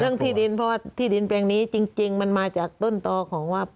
ที่ดินเพราะว่าที่ดินแปลงนี้จริงมันมาจากต้นต่อของว่า